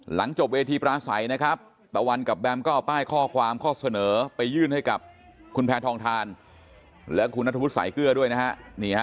จบเวทีปราศัยนะครับตะวันกับแบมก็เอาป้ายข้อความข้อเสนอไปยื่นให้กับคุณแพทองทานและคุณนัทวุฒิสายเกลือด้วยนะฮะ